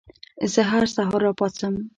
زه هر سهار راپاڅم.